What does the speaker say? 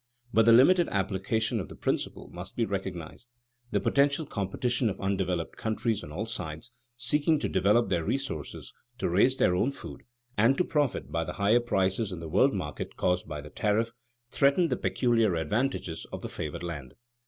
But the limited application of the principle must be recognized. The potential competition of undeveloped countries on all sides, seeking to develop their resources, to raise their own food, and to profit by the higher prices in the world market caused by the tariff, threaten the peculiar advantages of the favored land.